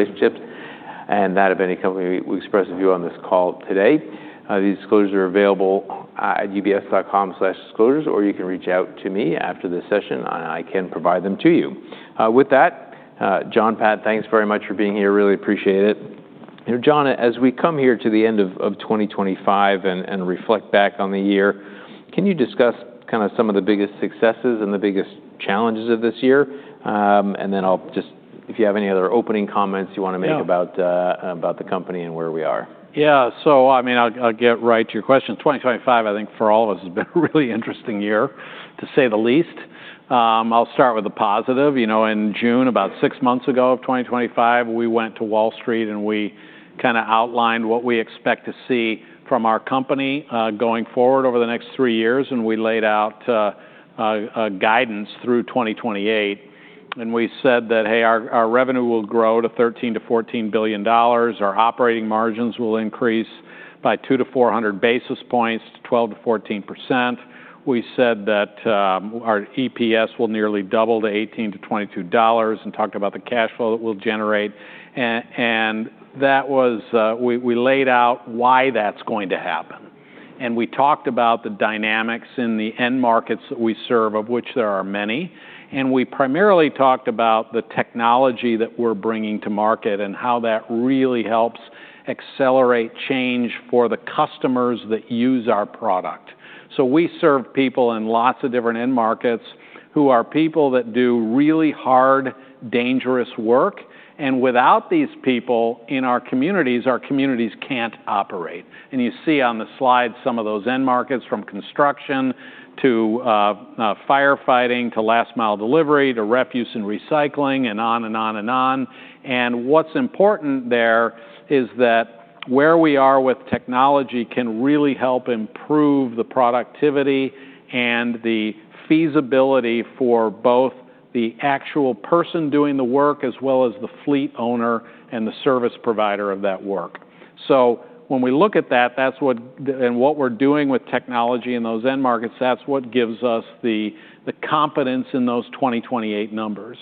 Relationships, and that of any company we express a view on this call today. These disclosures are available at ubs.com/disclosures, or you can reach out to me after this session, and I can provide them to you. With that, John Pfeifer, thanks very much for being here. Really appreciate it. John, as we come here to the end of 2025 and reflect back on the year, can you discuss kind of some of the biggest successes and the biggest challenges of this year? And then I'll just, if you have any other opening comments you want to make about the company and where we are. Yeah, so I mean, I'll get right to your question. 2025, I think for all of us, has been a really interesting year, to say the least. I'll start with the positive. In June, about six months ago of 2025, we went to Wall Street and we kind of outlined what we expect to see from our company going forward over the next three years. And we laid out guidance through 2028. And we said that, hey, our revenue will grow to $13-$14 billion. Our operating margins will increase by 2-400 basis points, 12%-14%. We said that our EPS will nearly double to $18-$22 and talked about the cash flow that we'll generate. And that was, we laid out why that's going to happen. And we talked about the dynamics in the end markets that we serve, of which there are many. And we primarily talked about the technology that we're bringing to market and how that really helps accelerate change for the customers that use our product. So we serve people in lots of different end markets who are people that do really hard, dangerous work. And without these people in our communities, our communities can't operate. And you see on the slide some of those end markets from construction to firefighting to last-mile delivery to refuse and recycling and on and on and on. And what's important there is that where we are with technology can really help improve the productivity and the feasibility for both the actual person doing the work as well as the fleet owner and the service provider of that work. So when we look at that, that's what we're doing with technology in those end markets, that's what gives us the confidence in those 2028 numbers.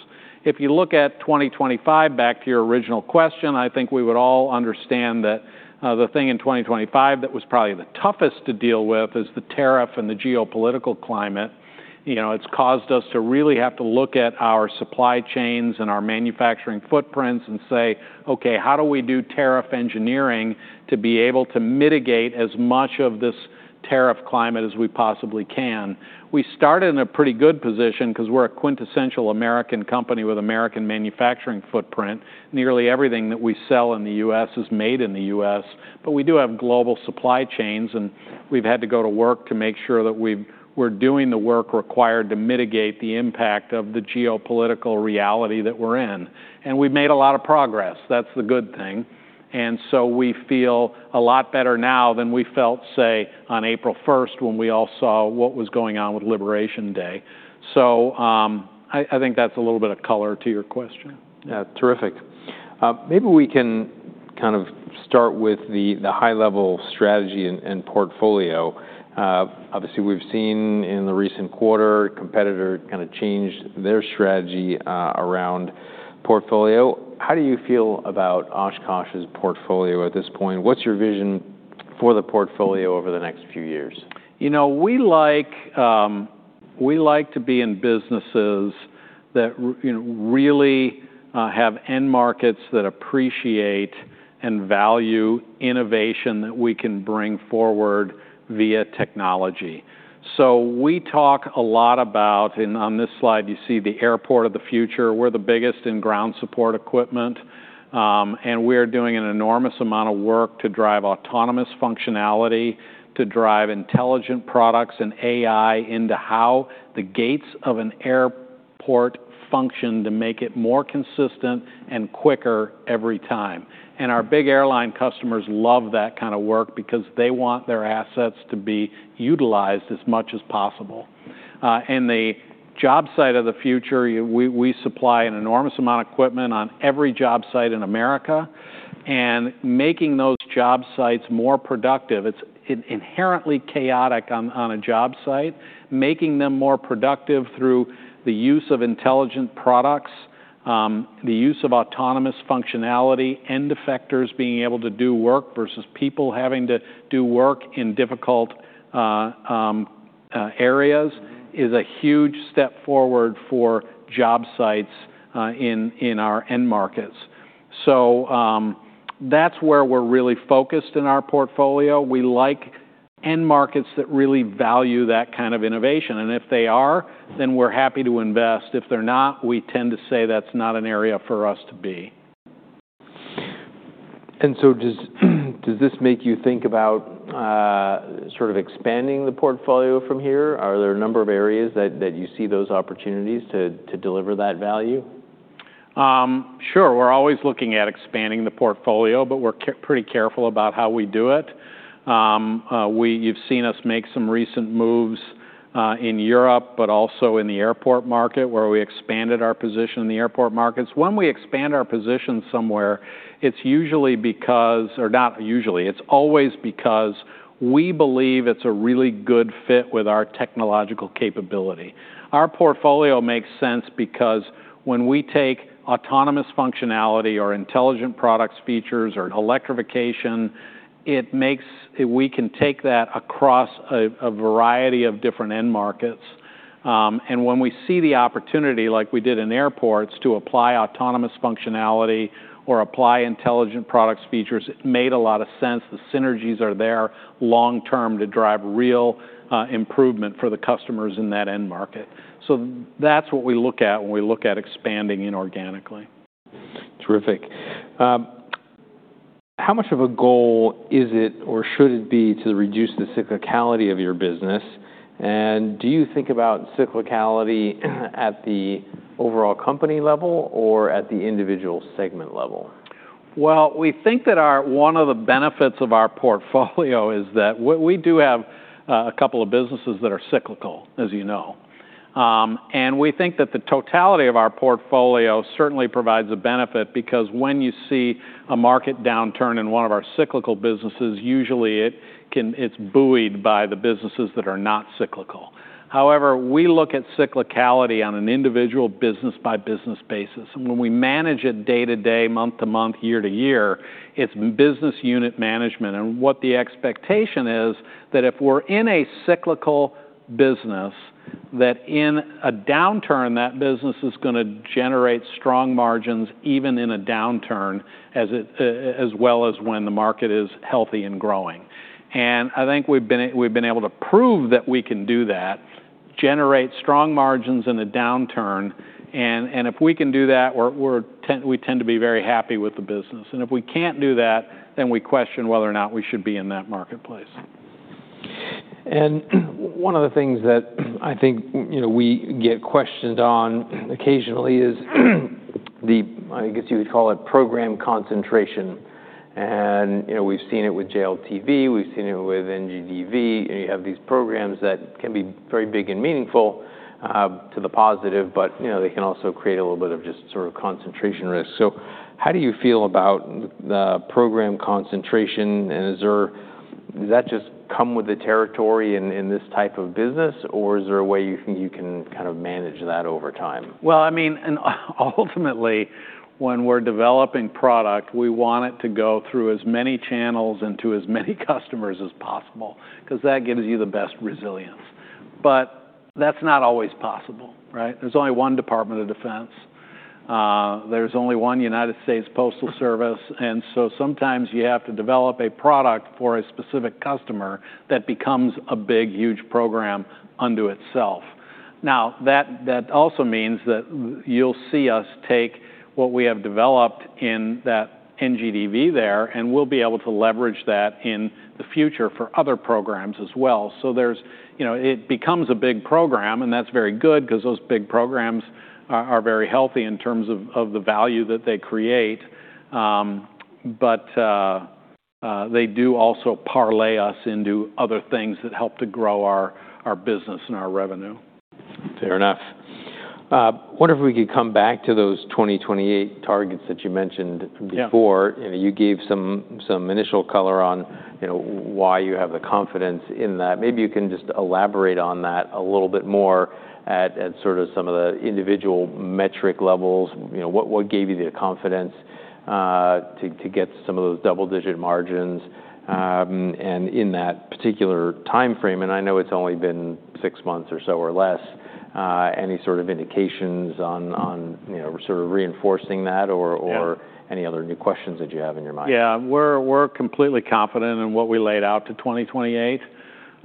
If you look at 2025, back to your original question, I think we would all understand that the thing in 2025 that was probably the toughest to deal with is the tariff and the geopolitical climate. It's caused us to really have to look at our supply chains and our manufacturing footprints and say, okay, how do we do tariff engineering to be able to mitigate as much of this tariff climate as we possibly can? We started in a pretty good position because we're a quintessential American company with American manufacturing footprint. Nearly everything that we sell in the U.S. is made in the U.S. But we do have global supply chains, and we've had to go to work to make sure that we're doing the work required to mitigate the impact of the geopolitical reality that we're in. And we've made a lot of progress. That's the good thing. And so we feel a lot better now than we felt, say, on April 1st when we all saw what was going on with Liberation Day. So I think that's a little bit of color to your question. Yeah, terrific. Maybe we can kind of start with the high-level strategy and portfolio. Obviously, we've seen in the recent quarter, a competitor kind of changed their strategy around portfolio. How do you feel about Oshkosh's portfolio at this point? What's your vision for the portfolio over the next few years? You know, we like to be in businesses that really have end markets that appreciate and value innovation that we can bring forward via technology. So we talk a lot about, and on this slide, you see the airport of the future. We're the biggest in ground support equipment. And we're doing an enormous amount of work to drive autonomous functionality, to drive intelligent products and AI into how the gates of an airport function to make it more consistent and quicker every time. And our big airline customers love that kind of work because they want their assets to be utilized as much as possible. And the job site of the future, we supply an enormous amount of equipment on every job site in America. And making those job sites more productive, it's inherently chaotic on a job site. Making them more productive through the use of intelligent products, the use of autonomous functionality, and end effectors being able to do work versus people having to do work in difficult areas is a huge step forward for job sites in our end markets. So that's where we're really focused in our portfolio. We like end markets that really value that kind of innovation. And if they are, then we're happy to invest. If they're not, we tend to say that's not an area for us to be. And so does this make you think about sort of expanding the portfolio from here? Are there a number of areas that you see those opportunities to deliver that value? Sure. We're always looking at expanding the portfolio, but we're pretty careful about how we do it. You've seen us make some recent moves in Europe, but also in the airport market where we expanded our position in the airport markets. When we expand our position somewhere, it's usually because, or not usually, it's always because we believe it's a really good fit with our technological capability. Our portfolio makes sense because when we take autonomous functionality or intelligent products features or electrification, it makes it we can take that across a variety of different end markets. And when we see the opportunity, like we did in airports, to apply autonomous functionality or apply intelligent products features, it made a lot of sense. The synergies are there long-term to drive real improvement for the customers in that end market. So that's what we look at when we look at expanding inorganically. Terrific. How much of a goal is it or should it be to reduce the cyclicality of your business? And do you think about cyclicality at the overall company level or at the individual segment level? We think that one of the benefits of our portfolio is that we do have a couple of businesses that are cyclical, as you know. And we think that the totality of our portfolio certainly provides a benefit because when you see a market downturn in one of our cyclical businesses, usually it's buoyed by the businesses that are not cyclical. However, we look at cyclicality on an individual business-by-business basis. And when we manage it day to day, month to month, year to year, it's business unit management. And what the expectation is that if we're in a cyclical business, that in a downturn, that business is going to generate strong margins even in a downturn, as well as when the market is healthy and growing. And I think we've been able to prove that we can do that, generate strong margins in a downturn. And if we can do that, we tend to be very happy with the business. And if we can't do that, then we question whether or not we should be in that marketplace. And one of the things that I think we get questioned on occasionally is the, I guess you would call it, program concentration. And we've seen it with JLTV, we've seen it with NGDV. You have these programs that can be very big and meaningful to the positive, but they can also create a little bit of just sort of concentration risk. So how do you feel about program concentration? And does that just come with the territory in this type of business, or is there a way you can kind of manage that over time? I mean, ultimately, when we're developing product, we want it to go through as many channels and to as many customers as possible because that gives you the best resilience, but that's not always possible, right? There's only one Department of Defense. There's only one United States Postal Service, and so sometimes you have to develop a product for a specific customer that becomes a big, huge program unto itself. Now, that also means that you'll see us take what we have developed in that NGDV there, and we'll be able to leverage that in the future for other programs as well, so it becomes a big program, and that's very good because those big programs are very healthy in terms of the value that they create, but they do also parlay us into other things that help to grow our business and our revenue. Fair enough. I wonder if we could come back to those 2028 targets that you mentioned before. You gave some initial color on why you have the confidence in that. Maybe you can just elaborate on that a little bit more at sort of some of the individual metric levels. What gave you the confidence to get some of those double-digit margins and in that particular timeframe? And I know it's only been six months or so or less. Any sort of indications on sort of reinforcing that or any other new questions that you have in your mind? Yeah, we're completely confident in what we laid out to 2028,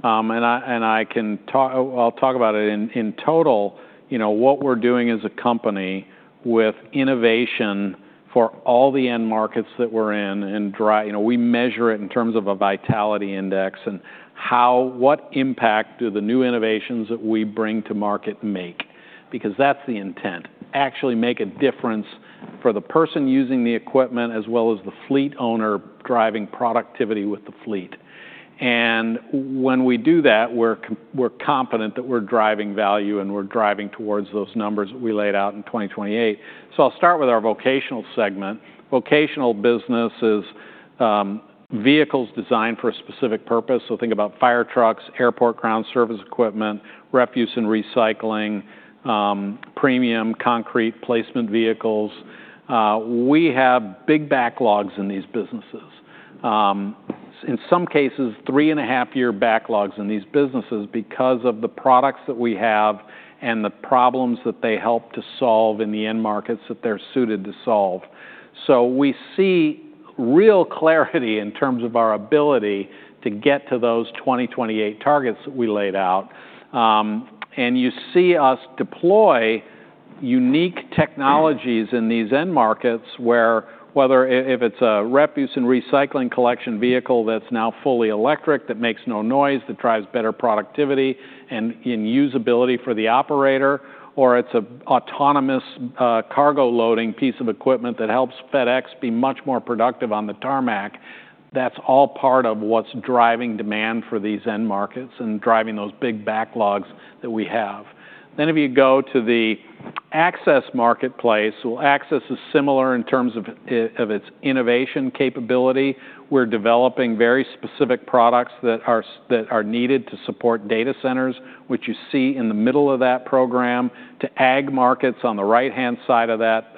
and I can talk. I'll talk about it. In total, what we're doing as a company with innovation for all the end markets that we're in, and we measure it in terms of a vitality index and what impact do the new innovations that we bring to market make? Because that's the intent. Actually make a difference for the person using the equipment as well as the fleet owner driving productivity with the fleet, and when we do that, we're confident that we're driving value and we're driving towards those numbers that we laid out in 2028, so I'll start with our vocational segment. Vocational business is vehicles designed for a specific purpose. So think about fire trucks, airport ground service equipment, refuse and recycling, premium concrete placement vehicles. We have big backlogs in these businesses. In some cases, three and a half year backlogs in these businesses because of the products that we have and the problems that they help to solve in the end markets that they're suited to solve. So we see real clarity in terms of our ability to get to those 2028 targets that we laid out. And you see us deploy unique technologies in these end markets where, whether if it's a refuse and recycling collection vehicle that's now fully electric that makes no noise, that drives better productivity and usability for the operator, or it's an autonomous cargo loading piece of equipment that helps FedEx be much more productive on the tarmac, that's all part of what's driving demand for these end markets and driving those big backlogs that we have. Then if you go to the access marketplace, well, access is similar in terms of its innovation capability. We're developing very specific products that are needed to support data centers, which you see in the middle of that program, to ag markets on the right-hand side of that,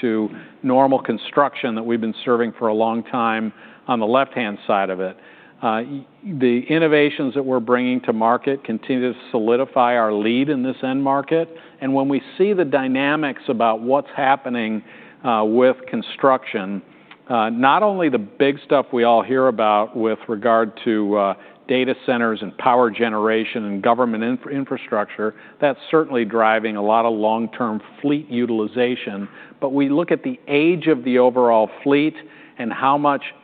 to normal construction that we've been serving for a long time on the left-hand side of it. The innovations that we're bringing to market continue to solidify our lead in this end market, and when we see the dynamics about what's happening with construction, not only the big stuff we all hear about with regard to data centers and power generation and government infrastructure, that's certainly driving a lot of long-term fleet utilization, but we look at the age of the overall fleet and how much fleet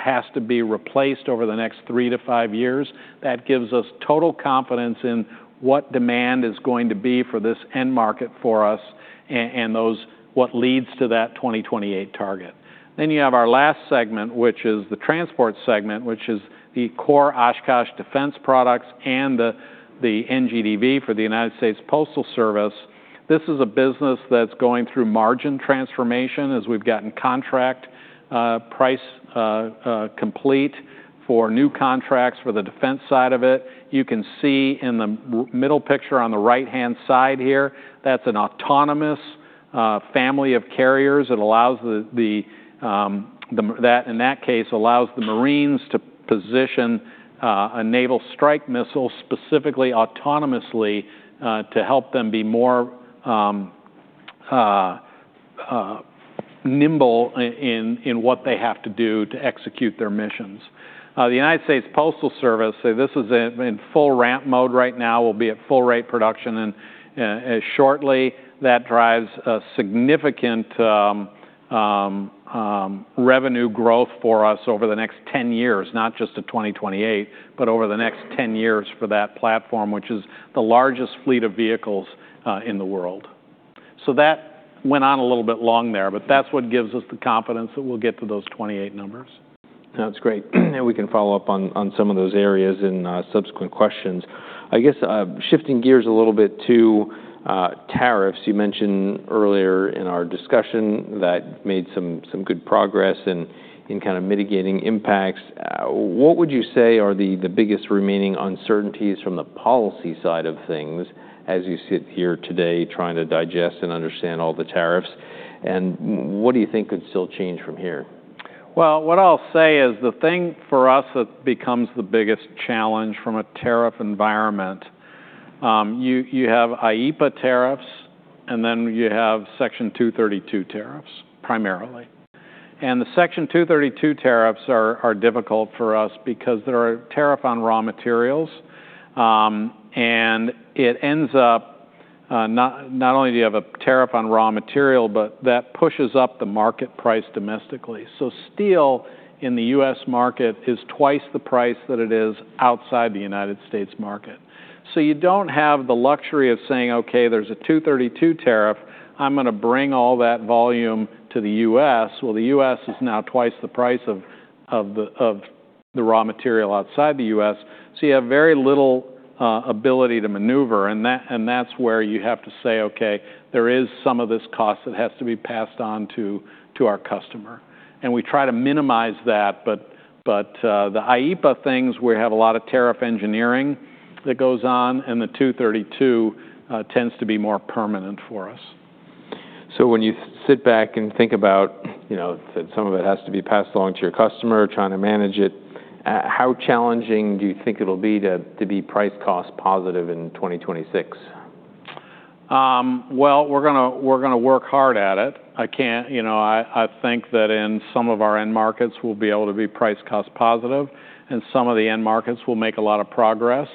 has to be replaced over the next three to five years. That gives us total confidence in what demand is going to be for this end market for us and what leads to that 2028 target. Then you have our last segment, which is the transport segment, which is the core Oshkosh Defense products and the NGDV for the United States Postal Service. This is a business that's going through margin transformation as we've gotten contract price complete for new contracts for the defense side of it. You can see in the middle picture on the right-hand side here, that's an autonomous family of carriers that allows the Marines to position a Naval Strike Missile specifically autonomously to help them be more nimble in what they have to do to execute their missions. The United States Postal Service, this is in full ramp mode right now, will be at full rate production shortly. That drives a significant revenue growth for us over the next 10 years, not just to 2028, but over the next 10 years for that platform, which is the largest fleet of vehicles in the world. So that went on a little bit long there, but that's what gives us the confidence that we'll get to those 28 numbers. That's great. And we can follow up on some of those areas in subsequent questions. I guess shifting gears a little bit to tariffs, you mentioned earlier in our discussion that you've made some good progress in kind of mitigating impacts. What would you say are the biggest remaining uncertainties from the policy side of things as you sit here today, trying to digest and understand all the tariffs? And what do you think could still change from here? What I'll say is the thing for us that becomes the biggest challenge from a tariff environment. You have IEEPA tariffs, and then you have Section 232 tariffs primarily. And the Section 232 tariffs are difficult for us because there are tariffs on raw materials. And it ends up not only do you have a tariff on raw material, but that pushes up the market price domestically. So steel in the U.S. market is twice the price that it is outside the United States market. So you don't have the luxury of saying, okay, there's a 232 tariff, I'm going to bring all that volume to the U.S. Well, the U.S. is now twice the price of the raw material outside the U.S. So you have very little ability to maneuver. And that's where you have to say, okay, there is some of this cost that has to be passed on to our customer. And we try to minimize that. But the IEEPA things, we have a lot of tariff engineering that goes on, and the Section 232 tends to be more permanent for us. So when you sit back and think about some of it has to be passed along to your customer, trying to manage it, how challenging do you think it'll be to be price cost positive in 2026? We're going to work hard at it. I think that in some of our end markets, we'll be able to be price cost positive. Some of the end markets will make a lot of progress.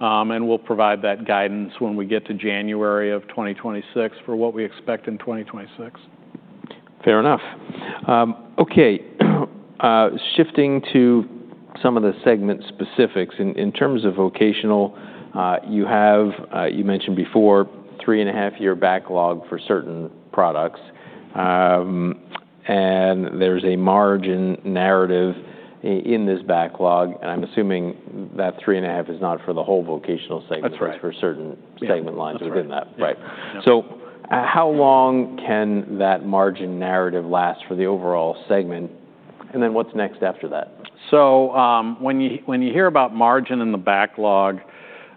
We'll provide that guidance when we get to January of 2026 for what we expect in 2026. Fair enough. Okay. Shifting to some of the segment specifics. In terms of vocational, you mentioned before a three-and-a-half-year backlog for certain products. And there's a margin narrative in this backlog. And I'm assuming that three and a half is not for the whole vocational segment, but for certain segment lines within that. Right. So how long can that margin narrative last for the overall segment? And then what's next after that? When you hear about margin in the backlog,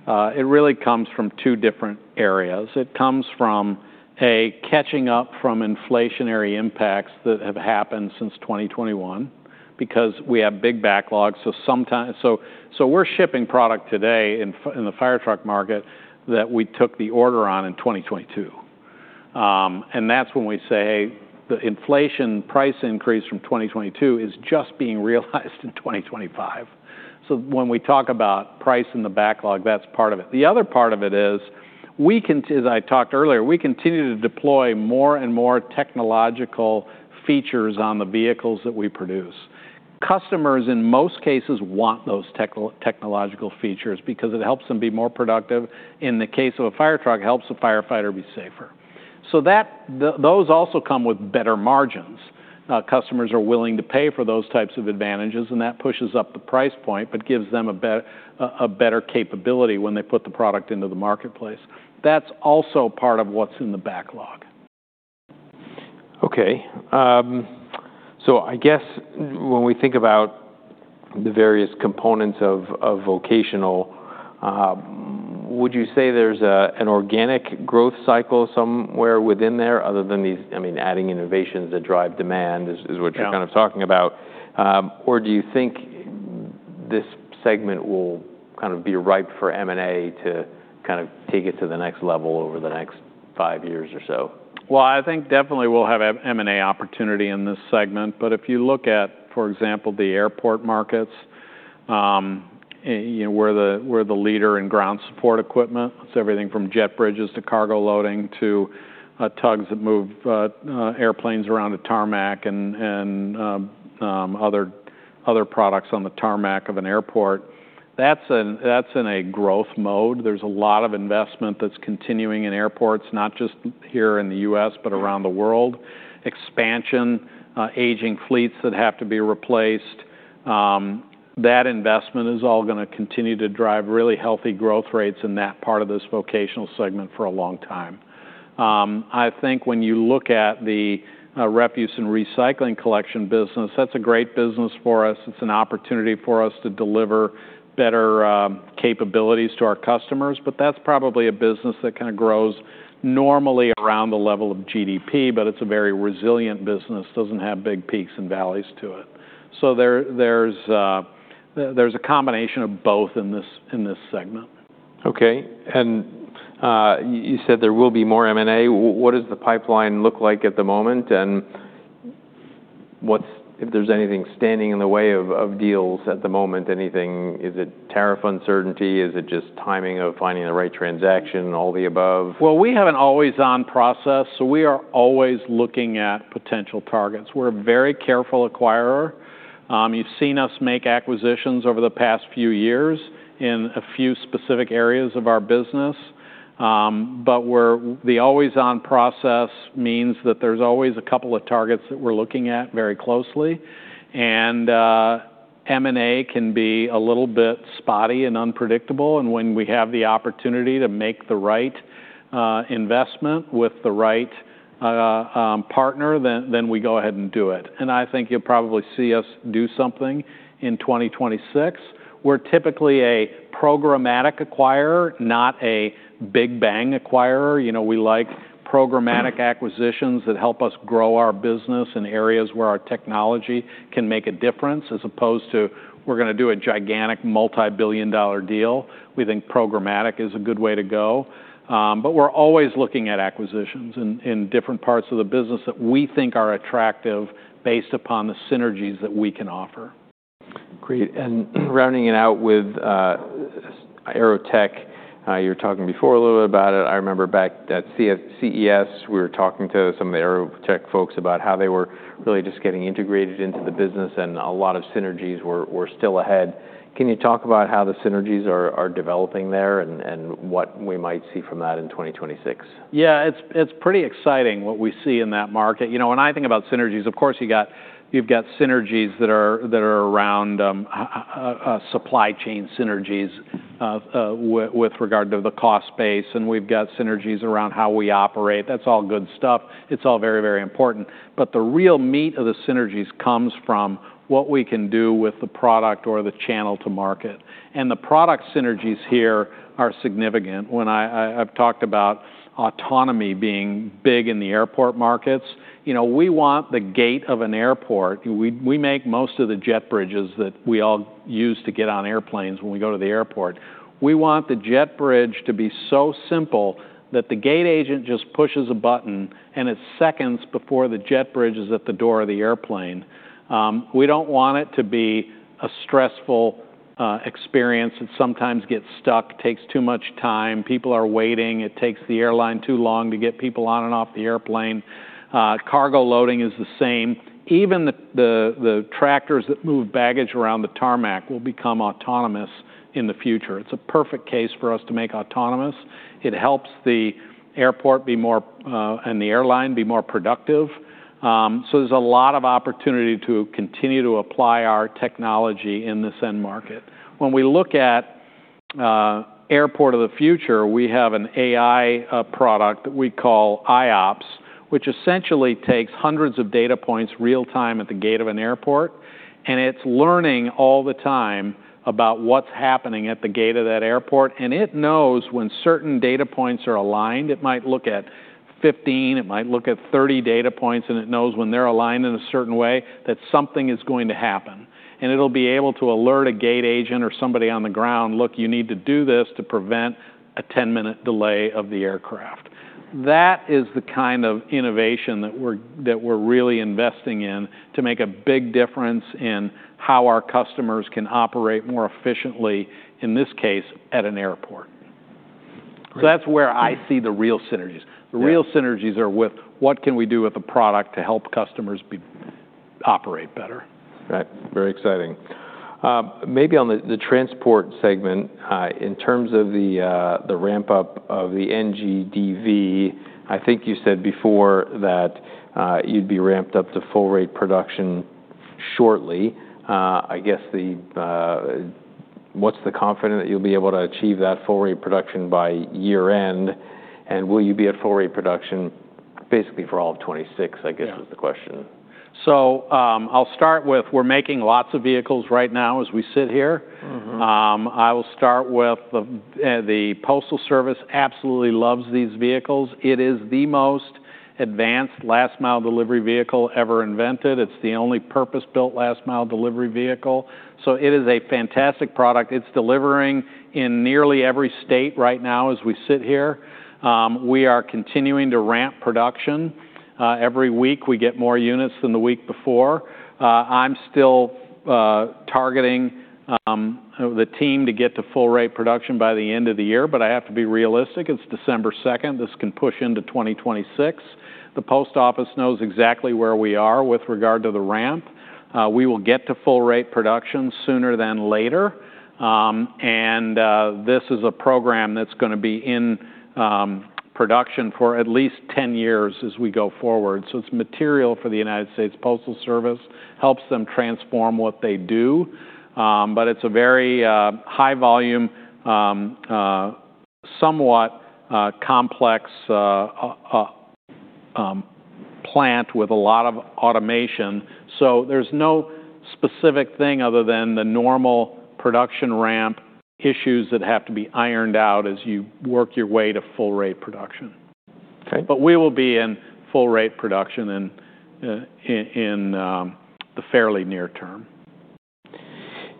it really comes from two different areas. It comes from, A, catching up from inflationary impacts that have happened since 2021 because we have big backlogs. We're shipping product today in the fire truck market that we took the order on in 2022, and that's when we say, hey, the inflation price increase from 2022 is just being realized in 2025. When we talk about price in the backlog, that's part of it. The other part of it is, as I talked earlier, we continue to deploy more and more technological features on the vehicles that we produce. Customers in most cases want those technological features because it helps them be more productive. In the case of a fire truck, it helps the firefighter be safer. Those also come with better margins. Customers are willing to pay for those types of advantages, and that pushes up the price point, but gives them a better capability when they put the product into the marketplace. That's also part of what's in the backlog. Okay. So I guess when we think about the various components of vocational, would you say there's an organic growth cycle somewhere within there other than these, I mean, adding innovations that drive demand is what you're kind of talking about? Or do you think this segment will kind of be ripe for M&A to kind of take it to the next level over the next five years or so? I think definitely we'll have M&A opportunity in this segment. But if you look at, for example, the airport markets, we're the leader in ground support equipment. It's everything from jet bridges to cargo loading to tugs that move airplanes around the tarmac and other products on the tarmac of an airport. That's in a growth mode. There's a lot of investment that's continuing in airports, not just here in the U.S., but around the world. Expansion, aging fleets that have to be replaced. That investment is all going to continue to drive really healthy growth rates in that part of this vocational segment for a long time. I think when you look at the refuse and recycling collection business, that's a great business for us. It's an opportunity for us to deliver better capabilities to our customers. But that's probably a business that kind of grows normally around the level of GDP, but it's a very resilient business. It doesn't have big peaks and valleys to it. So there's a combination of both in this segment. Okay. And you said there will be more M&A. What does the pipeline look like at the moment? And if there's anything standing in the way of deals at the moment, anything, is it tariff uncertainty? Is it just timing of finding the right transaction, all the above? We have an always-on process. We are always looking at potential targets. We're a very careful acquirer. You've seen us make acquisitions over the past few years in a few specific areas of our business. The always-on process means that there's always a couple of targets that we're looking at very closely. M&A can be a little bit spotty and unpredictable. When we have the opportunity to make the right investment with the right partner, then we go ahead and do it. I think you'll probably see us do something in 2026. We're typically a programmatic acquirer, not a big bang acquirer. We like programmatic acquisitions that help us grow our business in areas where our technology can make a difference as opposed to we're going to do a gigantic multi-billion-dollar deal. We think programmatic is a good way to go. But we're always looking at acquisitions in different parts of the business that we think are attractive based upon the synergies that we can offer. Great. And rounding it out with AeroTech, you were talking before a little bit about it. I remember back at CES, we were talking to some of the AeroTech folks about how they were really just getting integrated into the business and a lot of synergies were still ahead. Can you talk about how the synergies are developing there and what we might see from that in 2026? Yeah, it's pretty exciting what we see in that market. You know, when I think about synergies, of course, you've got synergies that are around supply chain synergies with regard to the cost base. And we've got synergies around how we operate. That's all good stuff. It's all very, very important. But the real meat of the synergies comes from what we can do with the product or the channel to market. And the product synergies here are significant. When I've talked about autonomy being big in the airport markets, we want the gate of an airport. We make most of the jet bridges that we all use to get on airplanes when we go to the airport. We want the jet bridge to be so simple that the gate agent just pushes a button and it's seconds before the jet bridge is at the door of the airplane. We don't want it to be a stressful experience. It sometimes gets stuck, takes too much time. People are waiting. It takes the airline too long to get people on and off the airplane. Cargo loading is the same. Even the tractors that move baggage around the tarmac will become autonomous in the future. It's a perfect case for us to make autonomous. It helps the airport be more and the airline be more productive. So there's a lot of opportunity to continue to apply our technology in this end market. When we look at airport of the future, we have an AI product that we call IOPS, which essentially takes hundreds of data points real-time at the gate of an airport. And it's learning all the time about what's happening at the gate of that airport. And it knows when certain data points are aligned. It might look at 15, it might look at 30 data points, and it knows when they're aligned in a certain way that something is going to happen, and it'll be able to alert a gate agent or somebody on the ground, "Look, you need to do this to prevent a 10-minute delay of the aircraft." That is the kind of innovation that we're really investing in to make a big difference in how our customers can operate more efficiently, in this case, at an airport, so that's where I see the real synergies, the real synergies are with what can we do with the product to help customers operate better. Right. Very exciting. Maybe on the Transport segment, in terms of the ramp-up of the NGDV, I think you said before that you'd be ramped up to full-rate production shortly. I guess what's the confidence that you'll be able to achieve that full-rate production by year-end? And will you be at full-rate production basically for all of 2026, I guess was the question. I'll start with we're making lots of vehicles right now as we sit here. I will start with the Postal Service absolutely loves these vehicles. It is the most advanced last-mile delivery vehicle ever invented. It's the only purpose-built last-mile delivery vehicle. So it is a fantastic product. It's delivering in nearly every state right now as we sit here. We are continuing to ramp production. Every week we get more units than the week before. I'm still targeting the team to get to full-rate production by the end of the year, but I have to be realistic. It's December 2nd. This can push into 2026. The Post Office knows exactly where we are with regard to the ramp. We will get to full-rate production sooner than later. And this is a program that's going to be in production for at least 10 years as we go forward. So it's material for the United States Postal Service, helps them transform what they do. But it's a very high-volume, somewhat complex plant with a lot of automation. So there's no specific thing other than the normal production ramp issues that have to be ironed out as you work your way to full-rate production. But we will be in full-rate production in the fairly near term.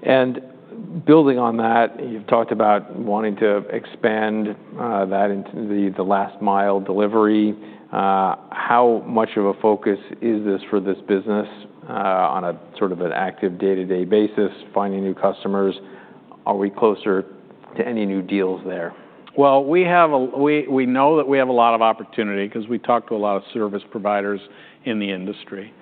And building on that, you've talked about wanting to expand that into the last-mile delivery. How much of a focus is this for this business on a sort of an active day-to-day basis, finding new customers? Are we closer to any new deals there? We know that we have a lot of opportunity because we talk to a lot of service providers in the industry.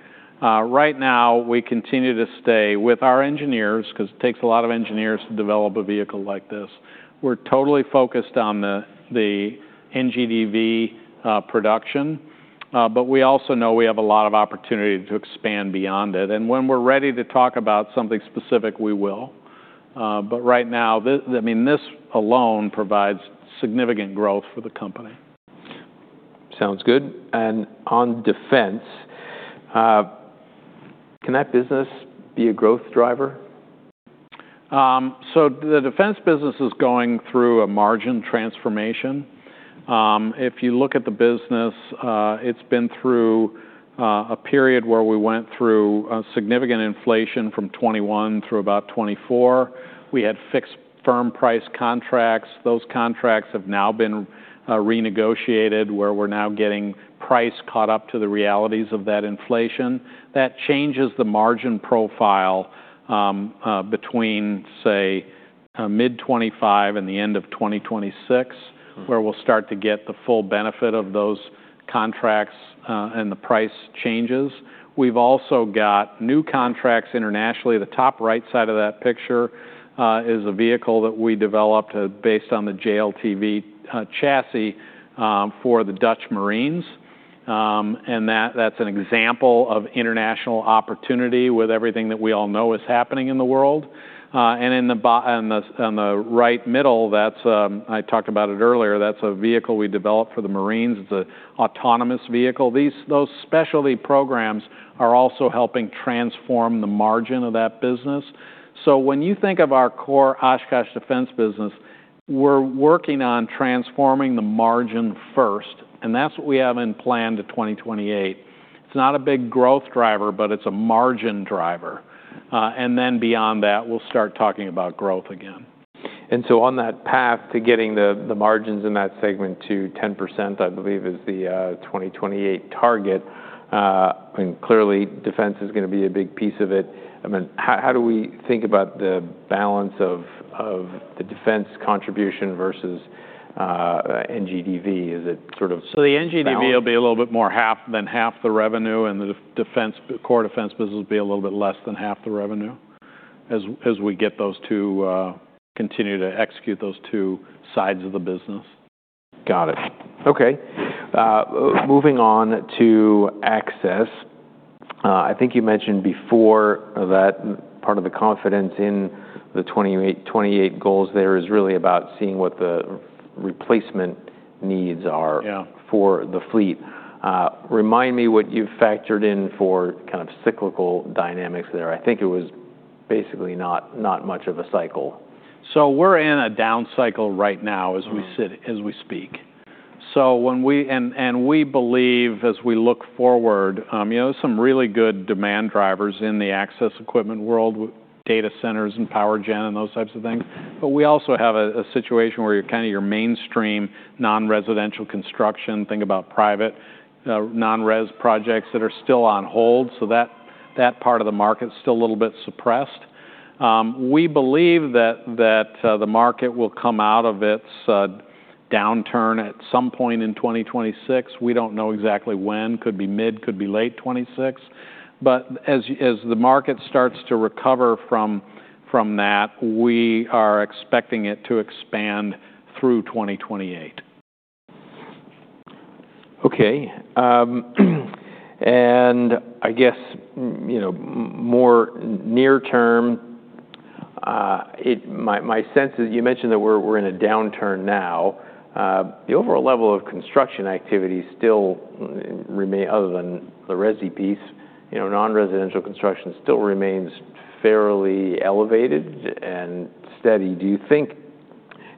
Right now, we continue to stay with our engineers because it takes a lot of engineers to develop a vehicle like this. We're totally focused on the NGDV production. But we also know we have a lot of opportunity to expand beyond it. And when we're ready to talk about something specific, we will. But right now, I mean, this alone provides significant growth for the company. Sounds good. And on defense, can that business be a growth driver? So the defense business is going through a margin transformation. If you look at the business, it's been through a period where we went through significant inflation from 2021 through about 2024. We had fixed firm price contracts. Those contracts have now been renegotiated where we're now getting price caught up to the realities of that inflation. That changes the margin profile between, say, mid-2025 and the end of 2026, where we'll start to get the full benefit of those contracts and the price changes. We've also got new contracts internationally. The top right side of that picture is a vehicle that we developed based on the JLTV chassis for the Dutch Marines. And that's an example of international opportunity with everything that we all know is happening in the world. And in the right middle, I talked about it earlier, that's a vehicle we developed for the Marines. It's an autonomous vehicle. Those specialty programs are also helping transform the margin of that business. So when you think of our core Oshkosh defense business, we're working on transforming the margin first. And that's what we have in plan to 2028. It's not a big growth driver, but it's a margin driver. And then beyond that, we'll start talking about growth again. And so, on that path to getting the margins in that segment to 10%, I believe, is the 2028 target. And clearly, defense is going to be a big piece of it. I mean, how do we think about the balance of the defense contribution versus NGDV? Is it sort of. So the NGDV will be a little bit more than half the revenue, and the core defense business will be a little bit less than half the revenue as we continue to execute those two sides of the business. Got it. Okay. Moving on to Access. I think you mentioned before that part of the confidence in the 2028 goals there is really about seeing what the replacement needs are for the fleet. Remind me what you've factored in for kind of cyclical dynamics there. I think it was basically not much of a cycle. We're in a down cycle right now as we speak. We believe, as we look forward, there's some really good demand drivers in the access equipment world, data centers and power gen and those types of things. But we also have a situation where kind of your mainstream non-residential construction, think about private non-res projects that are still on hold. That part of the market is still a little bit suppressed. We believe that the market will come out of its downturn at some point in 2026. We don't know exactly when. Could be mid-2026, could be late 2026. But as the market starts to recover from that, we are expecting it to expand through 2028. Okay. And I guess more near term, my sense is you mentioned that we're in a downturn now. The overall level of construction activity still remains, other than the Resi piece, non-residential construction still remains fairly elevated and steady. Do you think,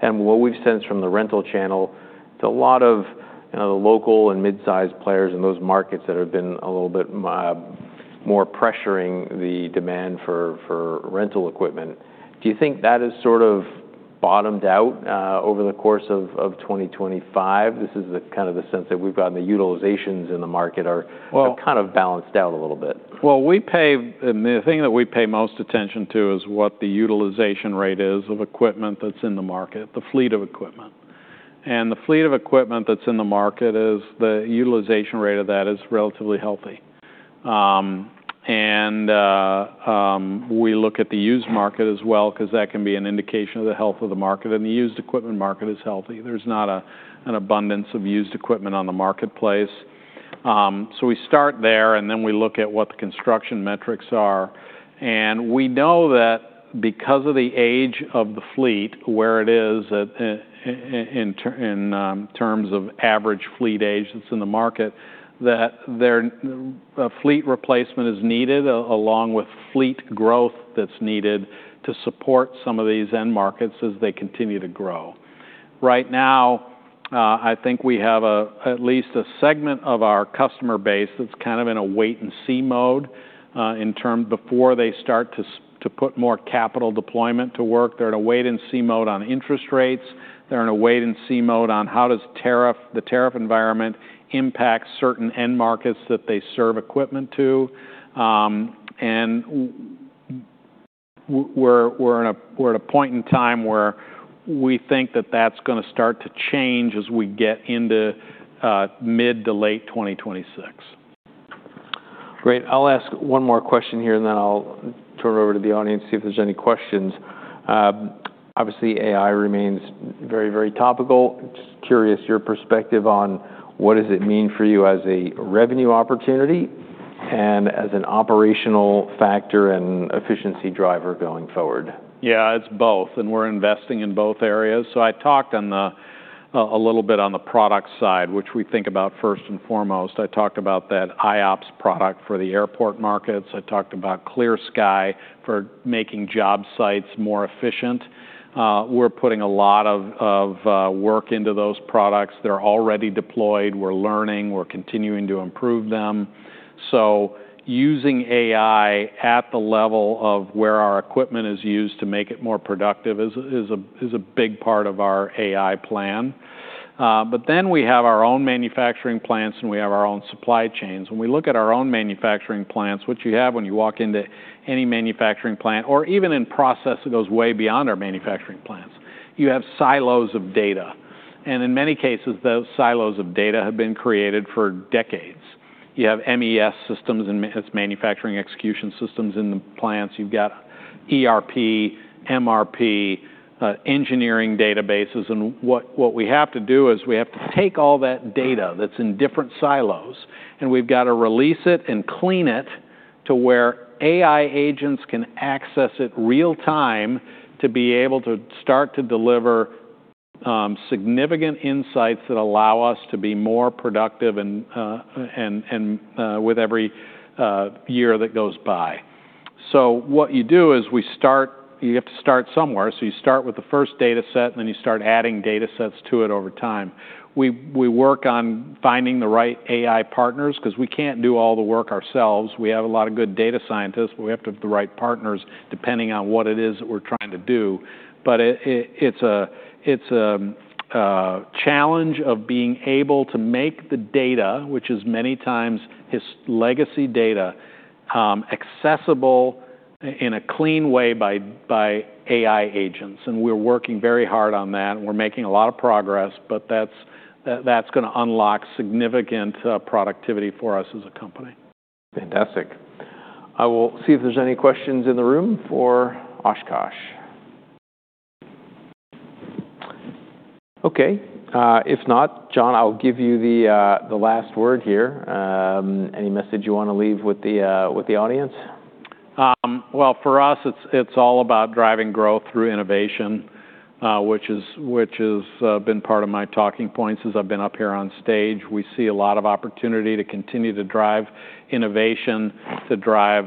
and what we've sensed from the rental channel, it's a lot of the local and mid-sized players in those markets that have been a little bit more pressuring the demand for rental equipment. Do you think that has sort of bottomed out over the course of 2025? This is kind of the sense that we've gotten the utilizations in the market are kind of balanced out a little bit. The thing that we pay most attention to is what the utilization rate is of equipment that's in the market, the fleet of equipment. And the fleet of equipment that's in the market is the utilization rate of that is relatively healthy. And we look at the used market as well because that can be an indication of the health of the market. And the used equipment market is healthy. There's not an abundance of used equipment on the marketplace. So we start there and then we look at what the construction metrics are. And we know that because of the age of the fleet, where it is in terms of average fleet age that's in the market, that fleet replacement is needed along with fleet growth that's needed to support some of these end markets as they continue to grow. Right now, I think we have at least a segment of our customer base that's kind of in a wait-and-see mode before they start to put more capital deployment to work. They're in a wait-and-see mode on interest rates. They're in a wait-and-see mode on how does the tariff environment impact certain end markets that they serve equipment to. And we're at a point in time where we think that that's going to start to change as we get into mid to late 2026. Great. I'll ask one more question here and then I'll turn it over to the audience to see if there's any questions. Obviously, AI remains very, very topical. Just curious your perspective on what does it mean for you as a revenue opportunity and as an operational factor and efficiency driver going forward? Yeah, it's both. And we're investing in both areas. So I talked a little bit on the product side, which we think about first and foremost. I talked about that IOPS product for the airport markets. I talked about Clear Sky for making job sites more efficient. We're putting a lot of work into those products. They're already deployed. We're learning. We're continuing to improve them. So using AI at the level of where our equipment is used to make it more productive is a big part of our AI plan. But then we have our own manufacturing plants and we have our own supply chains. When we look at our own manufacturing plants, what you have when you walk into any manufacturing plant or even in process that goes way beyond our manufacturing plants, you have silos of data. And in many cases, those silos of data have been created for decades. You have MES systems and manufacturing execution systems in the plants. You've got ERP, MRP, engineering databases. And what we have to do is we have to take all that data that's in different silos, and we've got to release it and clean it to where AI agents can access it real-time to be able to start to deliver significant insights that allow us to be more productive with every year that goes by. So what you do is you have to start somewhere. So you start with the first dataset and then you start adding datasets to it over time. We work on finding the right AI partners because we can't do all the work ourselves. We have a lot of good data scientists, but we have to have the right partners depending on what it is that we're trying to do. But it's a challenge of being able to make the data, which is many times its legacy data, accessible in a clean way by AI agents. And we're working very hard on that. We're making a lot of progress, but that's going to unlock significant productivity for us as a company. Fantastic. I will see if there's any questions in the room for Oshkosh. Okay. If not, John, I'll give you the last word here. Any message you want to leave with the audience? For us, it's all about driving growth through innovation, which has been part of my talking points as I've been up here on stage. We see a lot of opportunity to continue to drive innovation, to drive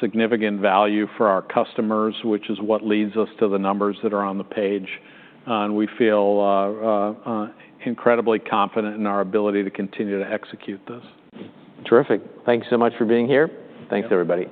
significant value for our customers, which is what leads us to the numbers that are on the page. We feel incredibly confident in our ability to continue to execute this. Terrific. Thanks so much for being here. Thanks, everybody.